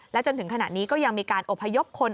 จนถึงขณะนี้ก็ยังมีการอบพยพคน